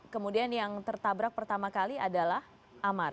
kemudian yang tertabrak pertama kali adalah amar